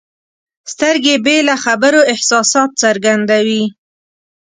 سترګې بې له خبرو احساسات څرګندوي.